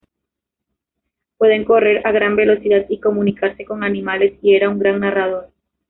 Puede correr a gran velocidad y comunicarse con animales, y era un gran narrador.